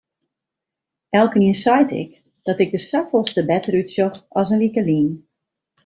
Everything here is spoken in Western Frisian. Elkenien seit ek dat ik der safolleste better útsjoch as in wike lyn.